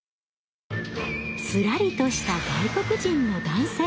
スラリとした外国人の男性。